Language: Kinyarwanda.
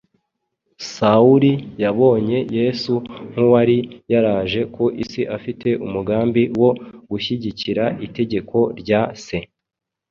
Sawuli yabonye Yesu nk’uwari yaraje ku isi afite umugambi wo gushyigikira itegeko rya Se.